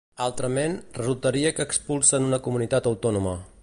Altrament, resultaria que expulsen una comunitat autònoma.